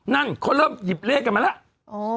นั่นเขาเริ่มหยิบเลขกันมาแล้ว